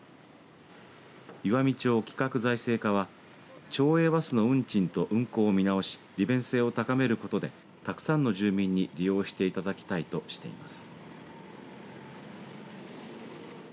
岩美町企画財政課は町営バスの運賃と運行を見直し利便性を高めることでたくさんの住民に利用していただきたいとしています。